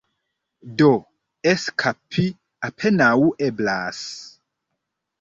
Do, eskapi apenaŭ eblas.